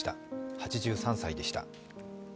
８３歳でした。